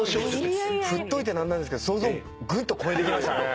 振っといて何なんですけど想像ぐっと超えてきましたね。